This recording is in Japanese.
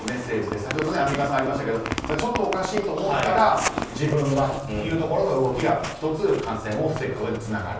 先ほどアンミカさんからもありましたけどちょっとおかしいと思ったら自分はというところの動きが１つ感染を防ぐことにつながる。